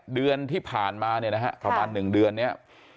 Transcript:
เดือนที่ผ่านมาเนี่ยนะฮะประมาณ๑เดือนเนี่ย